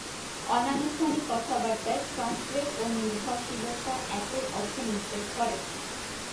অনানুষ্ঠানিক কথাবার্তায় সংশ্লেষ ও নির্ভরশীলতা একই অর্থ নির্দেশ করে।